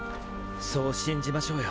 そう信じましょうよ。